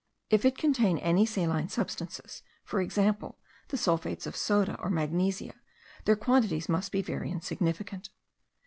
If it contain any saline substances, for example, the sulphates of soda or magnesia, their quantities must be very insignificant.